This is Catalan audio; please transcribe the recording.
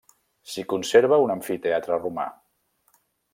S'hi conserva un amfiteatre romà.